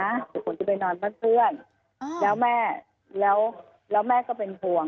เดี๋ยวผมจะไปนอนบ้านเพื่อนแล้วแม่แล้วแล้วแม่ก็เป็นห่วง